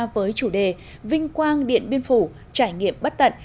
với chủ đề vinh quang điện biên phủ trải nghiệm bất tận